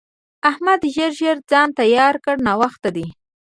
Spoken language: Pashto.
احمده! ژر ژر ځان تيار کړه؛ ناوخته دی.